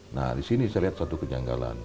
nah disini saya lihat satu kejanggalan